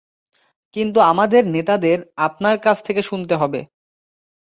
কিন্তু আমাদের নেতাদের আপনার কাছ থেকে শুনতে হবে।